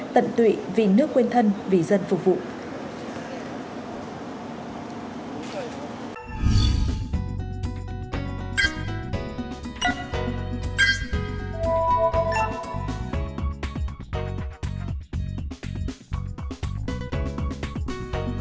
tận tụy vì nước quên thân vì dân phục vụ